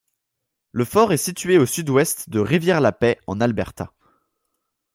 Le fort est situé au sud-ouest de Rivière-la-Paix en Alberta.